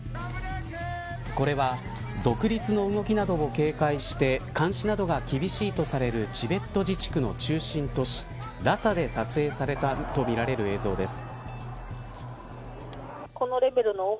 これは独立の動きなどを警戒して監視などが厳しいとされるチベット自治区の中心都市ラサで撮影されたとみられる映像です。